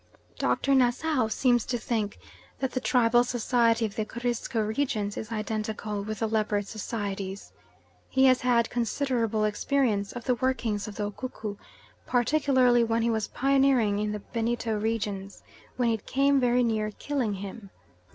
Doctor Nassau seems to think that the tribal society of the Corisco regions is identical with the leopard societies. He has had considerable experience of the workings of the Ukuku, particularly when he was pioneering in the Benito regions, when it came very near killing him.